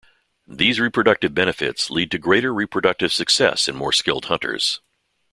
These reproductive benefits lead to greater reproductive success in more skilled hunters.